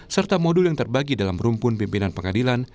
serta modul yang terbagi dalam rumpun pimpinan pengadilan